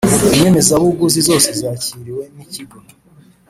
inyemezabuguzi zose zakiriwe n ikigo